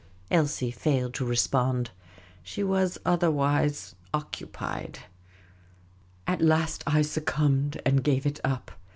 Elsie failed to respond ; she was otherwise occupied. At last, I succumbed and gav^e it up.